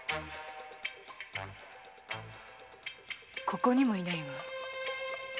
ここにもいないわ。